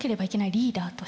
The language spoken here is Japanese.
リーダーとして。